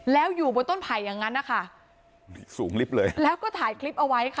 แล้วอยู่บนต้นไผ่อย่างนั้นนะคะสูงลิฟต์เลยแล้วก็ถ่ายคลิปเอาไว้ค่ะ